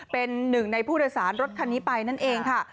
เป็นหนึ่งในผู้โดยสารรถคันนี้ไปนั่นเองค่ะ